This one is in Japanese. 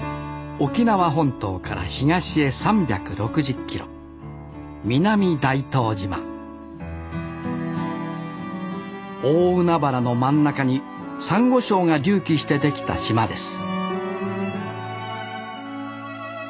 沖縄本島から東へ３６０ｋｍ南大東島大海原の真ん中にさんご礁が隆起して出来た島です